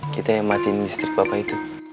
kita yang matiin listrik bapak itu